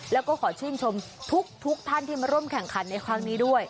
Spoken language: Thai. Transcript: แล้วก็ขอชื่นชมทุกท่านที่มาร่วมแข่งขันในครั้งนี้ด้วย